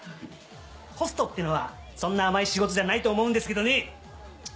ホストってのはそんな甘い仕事じゃないと思うんですけどね！